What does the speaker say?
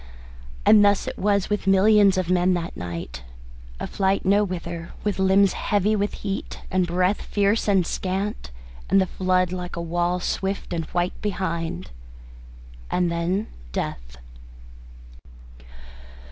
And thus it was with millions of men that night a flight nowhither, with limbs heavy with heat and breath fierce and scant, and the flood like a wall swift and white behind. And then death.